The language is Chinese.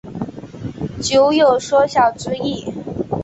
酉有缩小之意。